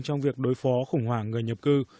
trong việc đối phó khủng hoảng người nhập cư